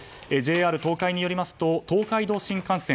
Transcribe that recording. ＪＲ東海によりますと東海道新幹線